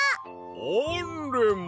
あんれま！